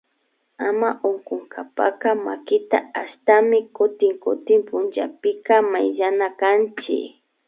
Ama unkunkapacka makita ashtami kutin kutin pullapika mayllanakanchik